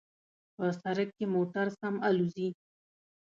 په سړک کې موټر سم الوزي